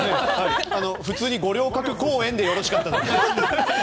普通に、五稜郭公園でよろしかったのでは。